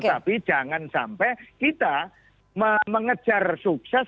tapi jangan sampai kita mengejar sukses